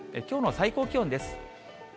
きょうの最高気温です。